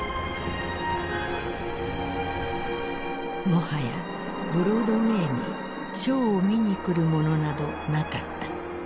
もはやブロードウェイにショーを見に来る者などなかった。